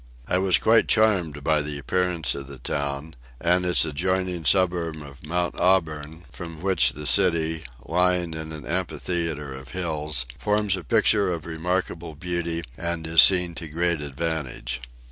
I was quite charmed with the appearance of the town, and its adjoining suburb of Mount Auburn: from which the city, lying in an amphitheatre of hills, forms a picture of remarkable beauty, and is seen to great advantage.